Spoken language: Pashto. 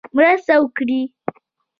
مرسته وکړي.